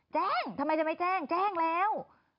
แจ้งทำไมจะไม่แจ้งแจ้งแล้ว